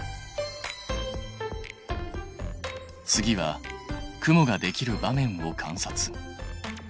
次は雲ができる場面を観察。